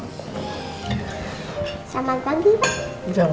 selamat pagi pak